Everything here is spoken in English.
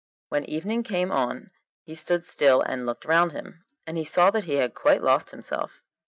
When evening came on he stood still and looked round him, and he saw that he had quite lost himself.